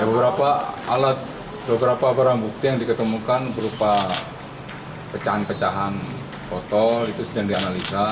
beberapa alat beberapa barang bukti yang diketemukan berupa pecahan pecahan foto itu sedang dianalisa